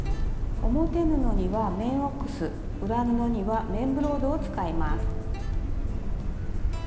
表布には綿オックス裏布には綿ブロードを使います。